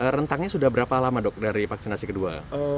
rentangnya sudah berapa lama dok dari vaksinasi kedua